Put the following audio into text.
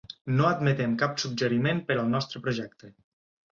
No admetem cap suggeriment per al nostre projecte.